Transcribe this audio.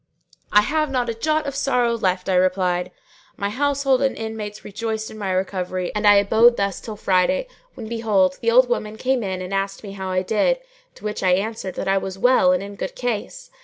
"I have not a jot of sorrow left." I replied. My household and intimates rejoiced in my recovery and I abode thus till Friday, when behold, the old woman came in and asked me how I did, to which I answered that I was well and in good case.